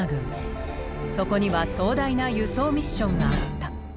そこには壮大な輸送ミッションがあった。